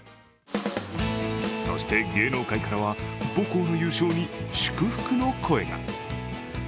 そして、芸能界からは母校の優勝に祝福の声が。